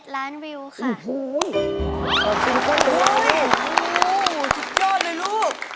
จริงค่ะโอ้โฮสุดยอดเลยลูก